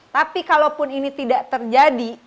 tapi kalaupun ini tidak terjadi